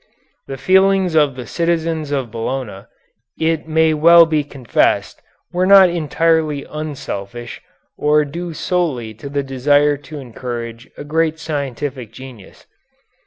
The feelings of the citizens of Bologna, it may well be confessed, were not entirely unselfish, or due solely to the desire to encourage a great scientific genius.